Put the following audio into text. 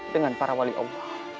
dengan para wali allah